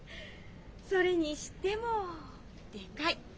それにしてもでかい！